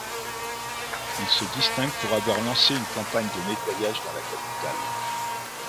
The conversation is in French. Il se distingue pour avoir lancé une campagne de nettoyage dans la capitale.